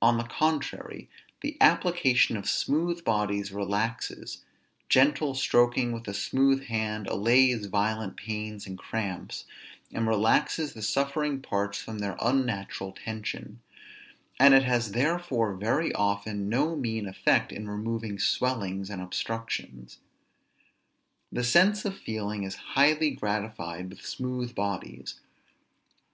On the contrary, the application of smooth bodies relaxes; gentle stroking with a smooth hand allays violent pains and cramps, and relaxes the suffering parts from their unnatural tension; and it has therefore very often no mean effect in removing swellings and obstructions. The sense of feeling is highly gratified with smooth bodies.